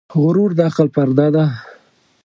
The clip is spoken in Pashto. غرور د عقل پرده ده .